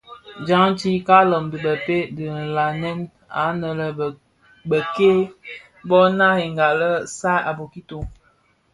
Djanti, Kaaloň dhi bëpeï bi nlanèn anèn bek-kè bō nariya lè saad a bokito.